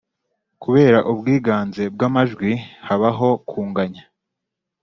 Kubera ubwiganze bw’amajwi habaho kunganya